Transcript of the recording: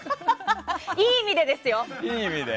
いい意味でですよ！